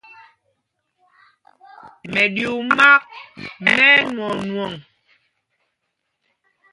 Mɛɗyuu māk mɛ́ ɛnwɔɔnwɔŋ.